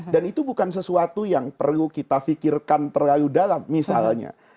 dan itu bukan sesuatu yang perlu kita fikirkan terlalu dalam misalnya